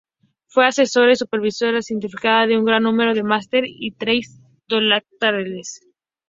Fue asesora y supervisora científica de un gran número de máster y tesis doctorales.